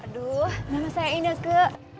aduh nama saya ineke